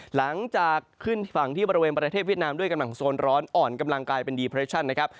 หลังจากขึ้นฝั่งที่บริเวณประเทศเวียดนามด้วยกำลังโซนร้อนอ่อนกำลังกลายเป็นดีเรชั่นนะครับ